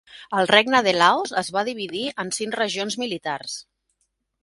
El Regne de Laos es va dividir en cinc regions militars.